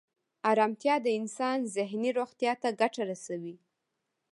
ارامتیا د انسان ذهني روغتیا ته ګټه رسوي.